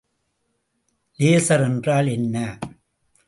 Laser என்றால் என்ன?